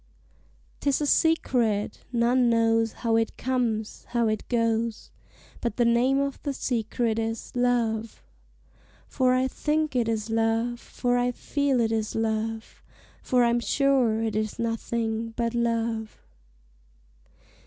'Tis a secret: none knows how it comes, how it goes But the name of the secret is Love! For I think it is Love, For I feel it is Love, For I'm sure it is nothing but Love!